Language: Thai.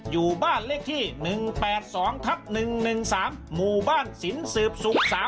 อยู่บ้านเลขที่๑๘๒ทับ๑๑๓หมู่บ้านสินสืบศุกร์๓